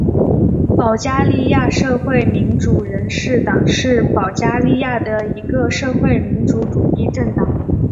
保加利亚社会民主人士党是保加利亚的一个社会民主主义政党。